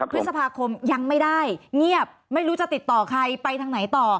พฤษภาคมยังไม่ได้เงียบไม่รู้จะติดต่อใครไปทางไหนต่อ